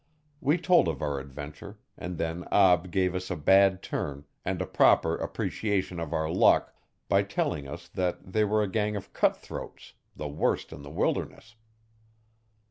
We told of our adventure and then Ab gave us a bad turn, and a proper appreciation of our luck, by telling us that they were a gang of cut throats the worst in the wilderness.